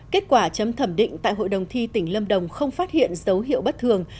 kết quả chấm thẩm định tại hội đồng thi tỉnh lâm đồng không phát hiện dấu hiệu bất thường